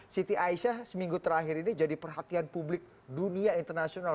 siti aisyah seminggu terakhir ini jadi perhatian publik dunia internasional